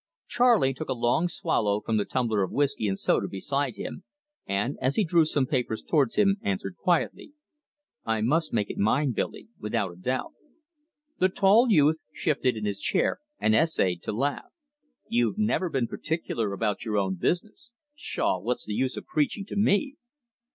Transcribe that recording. Charley took a long swallow from the tumbler of whiskey and soda beside him, and, as he drew some papers towards him, answered quietly: "I must make it mine, Billy, without a doubt." The tall youth shifted in his chair and essayed to laugh. "You've never been particular about your own business. Pshaw, what's the use of preaching to me!"